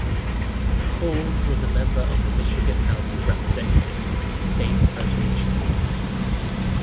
Caul was a member of the Michigan House of Representatives State Appropriation Committee.